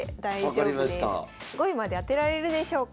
５位まで当てられるでしょうか。